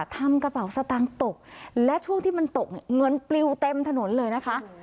ทำกระเป๋าสตางค์ตกและช่วงที่มันตกเนี่ยเงินปลิวเต็มถนนเลยนะคะ